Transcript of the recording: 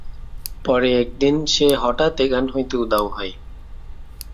পরে একদিন সে হঠাৎ এখান হইতে উধাও হয়।